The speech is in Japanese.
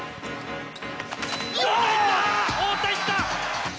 太田、行った！